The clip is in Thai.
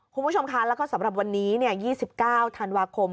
คุณผู้ชมคะแล้วก็สำหรับวันนี้๒๙ธันวาคม